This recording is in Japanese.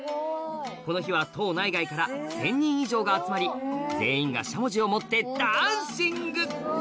この日は島内外から１０００人以上が集まり全員がしゃもじを持ってダンシング！